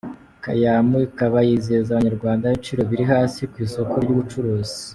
Kaymu ikaba yizeza abanyarwanda ibiciro biri hasi ku isoko ry'ubucuruzi.